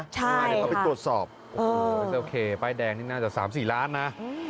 ใช่ค่ะเอาไปตรวจสอบโอเคป้ายแดงนี่น่าจะ๓๔ล้านนะ